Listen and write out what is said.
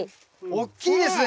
大きいですね